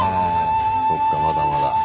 そっかまだまだ。